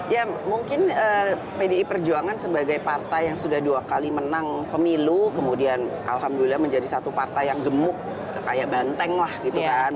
ya mungkin pdi perjuangan sebagai partai yang sudah dua kali menang pemilu kemudian alhamdulillah menjadi satu partai yang gemuk kayak banteng lah gitu kan